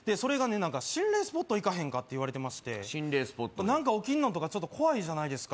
何か心霊スポット行かへんかっていわれてまして心霊スポット何か起きんのんとかちょっと怖いじゃないですか